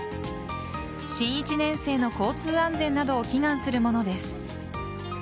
新１年生の交通安全などを祈願するものです。